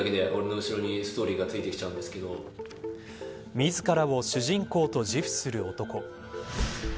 自らを主人公と自負する男。